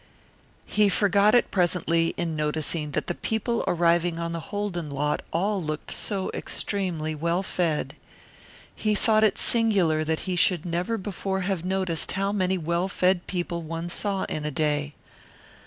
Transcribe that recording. He forgot it presently in noticing that the people arriving on the Holden lot all looked so extremely well fed. He thought it singular that he should never before have noticed how many well fed people one saw in a day.